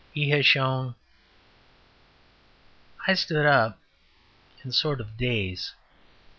He has shown " I stood up in a sort of daze.